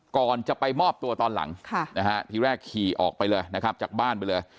ก่อนจะไปมอบตัวตอนหลังทีแรกขี่ออกไปเลยนะครับจากบ้านไปเลย